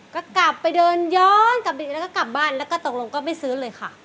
ก็กลับไปเดินย้อนกลับไปแล้วก็กลับบ้านแล้วก็ตกลงก็ไม่ซื้อเลยค่ะ